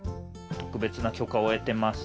特別な許可を得てます。